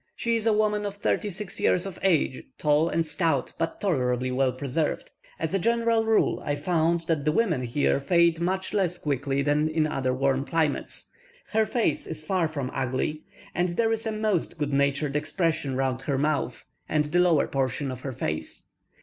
She is a woman of 36 years of age, tall and stout, but tolerably well preserved as a general rule, I found that the women here fade much less quickly than in other warm climates her face is far from ugly, and there is a most good natured expression round her mouth, and the lower portion of her face.